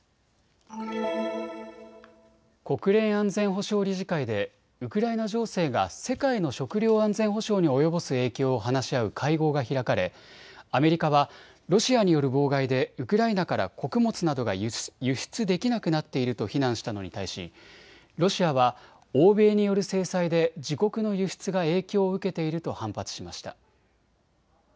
国連安全保障理事会でウクライナ情勢が世界の食料安全保障に及ぼす影響を話し合う会合が開かれ、アメリカはロシアによる妨害でウクライナから穀物などが輸出できなくなっていると非難したのに対しロシアは欧米による制裁で自国の輸出が影響を受けていると反発しました。